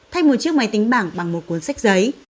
thay một chiếc máy tính bảng bằng một cuốn sách giấy